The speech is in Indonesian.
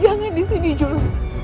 jangan di sini julum